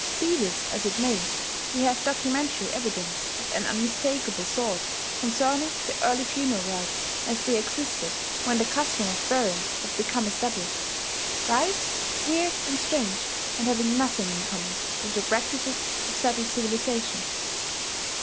Be this as it may, we have documentary evidence, of an unmistakable sort, concerning the early funeral rites as they existed when the custom of burying had become established, rites weird and strange, and having nothing in common with the practices of settled civilization.